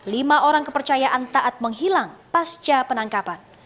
lima orang kepercayaan taat menghilang pasca penangkapan